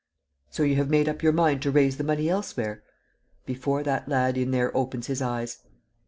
"So you have made up your mind to raise the money elsewhere?" "Before that lad in there opens his eyes."